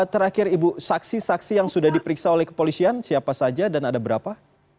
terakhir ibu saksi saksi yang sudah diperiksa oleh kepolisian siapa saja dan ada berapa